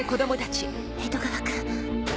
江戸川君